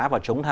vậy tổng thể